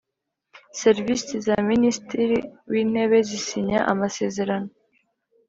Serivisi za Minisitiri w’Intebe zisinya amasezerano